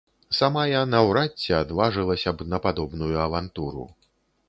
Сама я наўрад ці адважылася б на падобную авантуру.